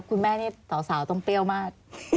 คุณแม่นี่สาวต้องเปรี้ยวมาก